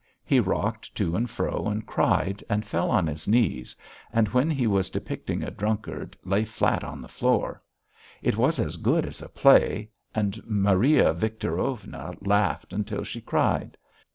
He rocked to and fro and cried, and fell on his knees, and when he was depicting a drunkard, lay flat on the floor. It was as good as a play, and Maria Victorovna laughed until she cried.